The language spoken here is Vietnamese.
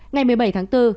ngày một mươi bảy tháng bốn